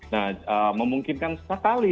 nah memungkinkan sekali